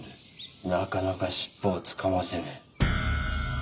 ・なかなか尻尾をつかませねえ。